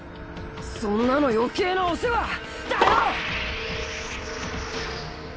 そんなのよけいなお世話だよ！